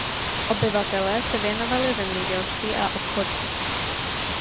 Obyvatelé se věnovali zemědělství a obchodu.